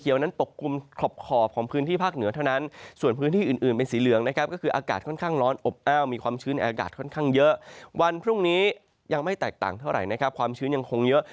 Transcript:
ยังไม่แตกต่างเท่าไหร่ความชื้นยังคงเยอะ